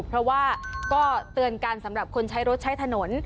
เพราะว่าก็เตือนกันสำหรับคนใช้รถใช้ถนน